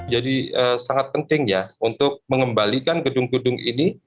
jadi sangat penting ya untuk mengembalikan gedung gedung ini